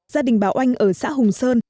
gia đình bảo anh ở xã hùng sơn